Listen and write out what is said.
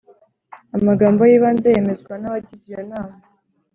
Amagambo y’ibanze yemezwa n’abagize iyo nama,